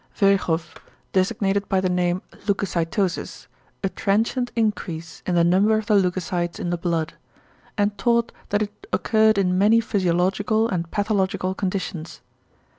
Virchow designated by the name "=Leucocytosis=," a transient increase in the number of the leucocytes in the blood; and taught that it occurred in many physiological and pathological conditions.